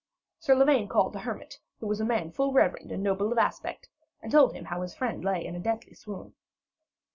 Sir Lavaine called the hermit, who was a man full reverend and noble of aspect, and told him how his friend lay in a deathly swoon.